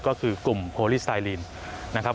ก็คือกลุ่มโอลิสไตลีนนะครับ